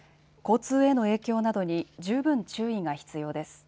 交通への影響などに十分注意が必要です。